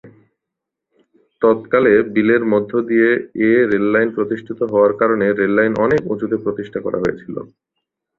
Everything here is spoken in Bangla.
তৎকালে বিলের মধ্যদিয়ে এ রেললাইন প্রতিষ্ঠিত হওয়ার কারণে রেললাইন অনেক উঁচুতে প্রতিষ্ঠা করা হয়েছিলো।